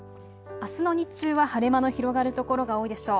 あすの日中は晴れ間の広がる所が多いでしょう。